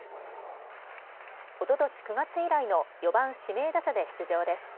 おととし９月以来の４番・指名打者で出場です。